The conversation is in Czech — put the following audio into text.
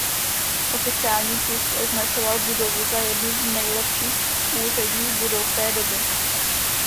Oficiální tisk označoval budovu za jednu z nejlepších úředních budov té doby.